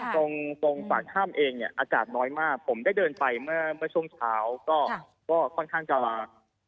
ตรงปากถ้ำเองเนี่ยอากาศน้อยมากผมได้เดินไปเมื่อช่วงเช้าก็ค่อนข้างจะลา